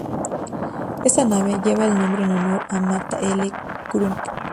Esta especie lleva el nombre en honor a Martha L. Crump.